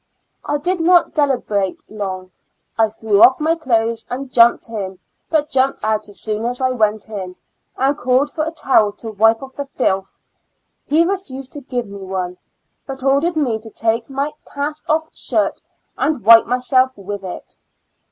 I did not deliberate long ; I threw off my clothes and jumped in, but jumped out as soon as I went in, and called for a towel to wipe off the filth ; he refused to give me one, but ordered me to take my cast off shirt and wipe .myself with it.